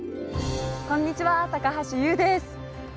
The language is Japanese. こんにちは高橋ユウです。